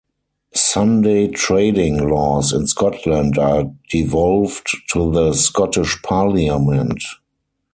Sunday trading laws in Scotland are devolved to the Scottish Parliament.